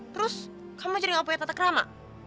terus kamu jadi ngapain tata kerama